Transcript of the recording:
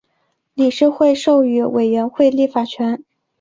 理事会授予委员会立法权。